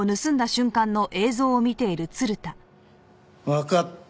わかった。